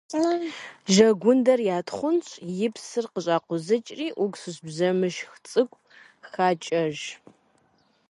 Жэгундэр ятхъунщӏ, и псыр къыщӀакъузыкӀри, уксус бжэмышх цӀыкӀу хакӀэж.